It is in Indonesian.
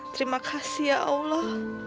terima kasih ya allah